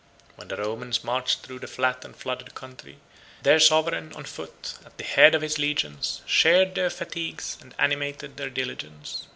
When the Romans marched through the flat and flooded country, their sovereign, on foot, at the head of his legions, shared their fatigues and animated their diligence.